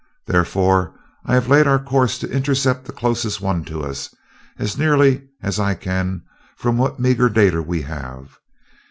Therefore I have laid our course to intercept the closest one to us, as nearly as I can from what meager data we have.